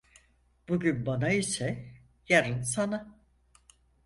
Bugün bana ise yarın sana.